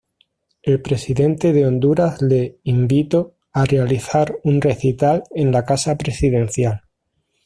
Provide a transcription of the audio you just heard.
El Presidente de Honduras le invito a realizar un recital en la Casa Presidencial.